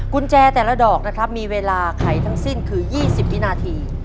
กุญแจแต่ละดอกนะครับมีเวลาไขทั้งสิ้นคือ๒๐วินาที